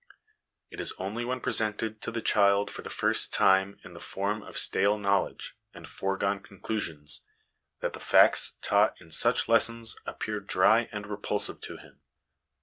It is only when presented to the child for the first time in the form of stale knowledge and foregone conclusions that the facts taught in such lessons appear dry and repulsive to him.